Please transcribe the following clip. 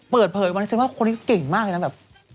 เปิดเผยวันนี้ฉันว่าคนนี้เก่งมากเลยนะแบบ